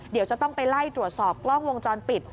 เดี๋ยวจะต้องไปไล่ตรวจสอบกล้องวงจรปิด